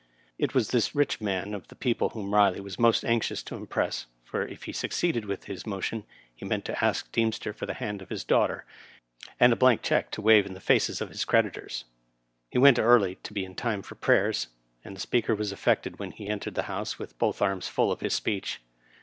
It was this rich man of the people whom Riley was most anxious to impress, for if he succeeded with his motion he meant to ask Deemster for the hand of his daughter, and a blank check to wave in the faces of his creditors. He went early to be in time for prayers, and the Speaker was affected when he entered the House with both arms full of his speech.